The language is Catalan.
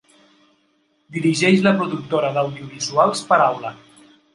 Dirigeix la productora d'audiovisuals Paraula.